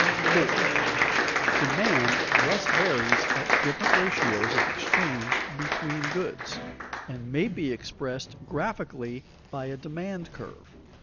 [Sidenote: The Demand curve] 4. _Demand thus varies at different ratios of exchange between goods, and may be expressed graphically by a demand curve.